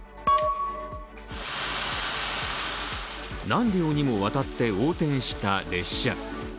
何両にもわたって横転した列車。